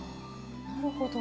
なるほど。